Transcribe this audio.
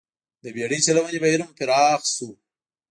د بېړۍ چلونې بهیر هم پراخ شول